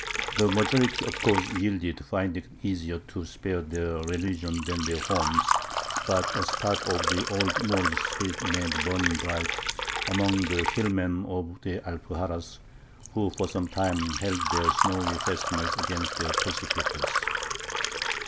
The majority of course yielded, finding it easier to spare their religion than their homes; but a spark of the old Moorish spirit remained burning bright among the hillmen of the Alpuxarras, who for some time held their snowy fastnesses against their persecutors.